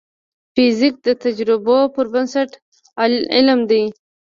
فزیک د تجربو پر بنسټ علم دی.